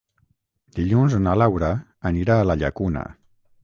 Dilluns na Laura anirà a la Llacuna.